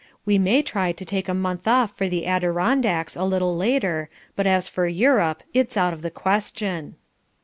We may try to take a month off for the Adirondacks a little later but as for Europe, it's out of the question."